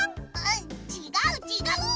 あちがうちがう！